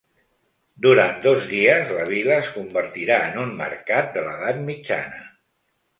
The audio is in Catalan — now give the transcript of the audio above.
Durant dos dies la vila es convertirà en un mercat de l’edat mitjana.